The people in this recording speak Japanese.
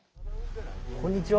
こんにちは。